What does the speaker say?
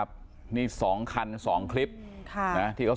ตอนนี้ก็เปลี่ยนแบบนี้แหละ